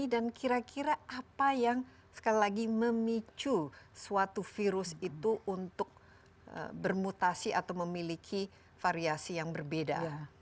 dan kira kira apa yang sekali lagi memicu suatu virus itu untuk bermutasi atau memiliki variasi yang berbeda